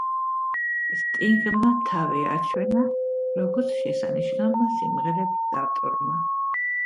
სტინგმა თავი აჩვენა, როგორც შესანიშნავმა სიმღერების ავტორმა.